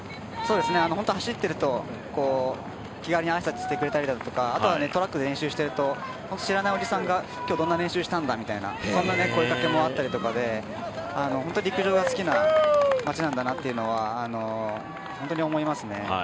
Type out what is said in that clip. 走っていると気軽に挨拶をしてくれたりとかトラックで練習していると、知らないおじさんが今日どんな練習をしたんだとかそんな声かけもあったりとか陸上が好きな町なんだなと本当に思いますね。